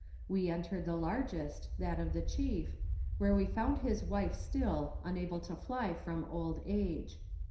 We entered the largest, that of the chief, where we found his wife still, unable to fly from old age.